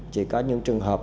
chỉ có những trường hợp